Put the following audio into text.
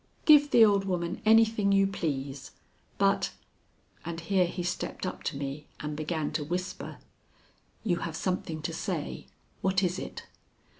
Give the old woman anything you please, but " And here he stepped up to me and began to whisper; "You have something to say. What is it?"